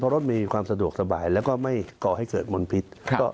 รถมีความสะดวกสบายแล้วก็ไม่ก่อให้เกิดมลพิษ